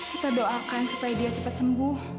kita doakan supaya dia cepat sembuh